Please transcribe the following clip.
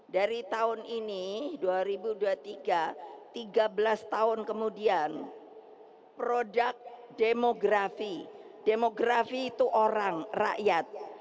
dari tahun ini dua ribu dua puluh tiga tiga belas tahun kemudian produk demografi demografi itu orang rakyat